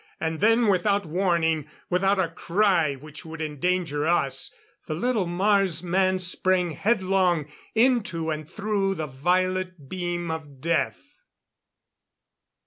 And then, without warning, without a cry which would endanger us, the little Mars man sprang headlong, into and through the violet beam of death.